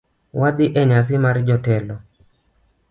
Wadhi enyasi mar jotelo